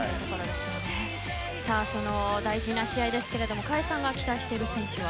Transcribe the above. その大事な試合ですが川合さんが期待している選手は。